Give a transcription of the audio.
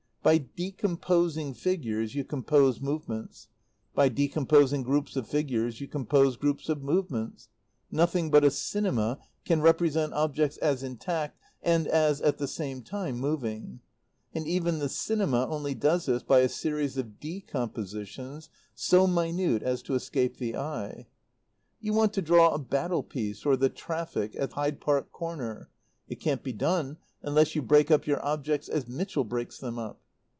By decomposing figures you compose movements. By decomposing groups of figures you compose groups of movement. Nothing but a cinema can represent objects as intact and as at the same time moving; and even the cinema only does this by a series of decompositions so minute as to escape the eye. "You want to draw a battle piece or the traffic at Hyde Park Corner. It can't be done unless you break up your objects as Mitchell breaks them up.